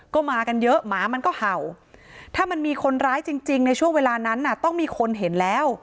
ก็มากันเยอะหมามันก็เห่าถ้ามันมีคนร้ายจริงในช่วงเวลานั้นน่ะต้องมีคนเห็นแล้ว